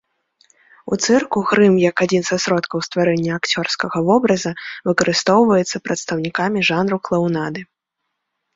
У цырку грым як адзін са сродкаў стварэння акцёрскага вобраза выкарыстоўваецца прадстаўнікамі жанру клаунады.